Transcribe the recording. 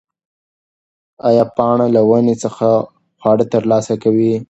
ایا پاڼه له ونې څخه خواړه ترلاسه کوي؟